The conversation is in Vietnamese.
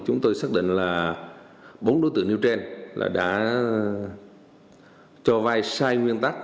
chúng tôi xác định là bốn đối tượng như trên đã cho vay sai nguyên tắc